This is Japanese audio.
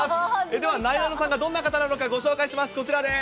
ではなえなのさんがどんな方なのか、ご紹介します。